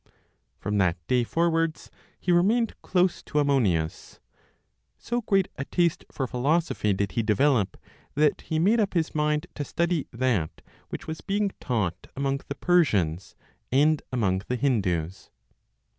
From that day forwards he remained close to Ammonius. So great a taste for philosophy did he develop, that he made up his mind to study that which was being taught among the Persians, and among the Hindus.